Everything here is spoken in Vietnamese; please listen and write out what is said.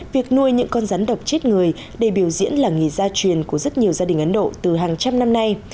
việc nuôi những con rắn độc chết người để biểu diễn là nghề gia truyền của rất nhiều gia đình ấn độ từ hàng trăm năm nay